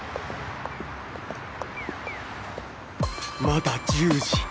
まだ１０時